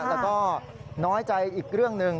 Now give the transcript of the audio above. แล้วก็น้อยใจอีกเรื่องหนึ่ง